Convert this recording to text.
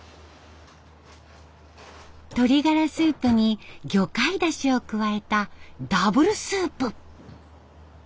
鶏ガラスープに魚介だしを加えたダブルスープ。